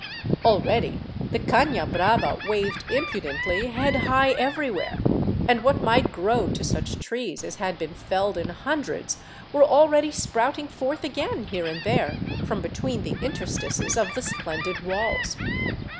Already the cana hrava waved impudently head high everywhere, and what might grow to such trees as had been felled in hundreds were already sprouting forth again here and there from between the interstices of the splendid walls.